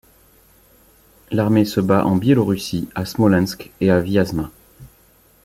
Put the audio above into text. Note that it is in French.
L'armée se bat en Biélorussie, à Smolensk et Vyazma.